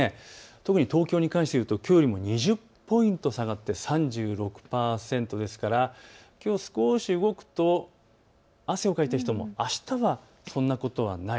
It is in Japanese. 特に東京に関して言うときょうよりも２０ポイント下がって３６％ですからきょう少し動くと汗をかいた人もあしたはそんなことはない。